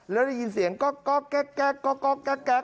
แล้วได้ยินเสียงก๊อกแก๊ก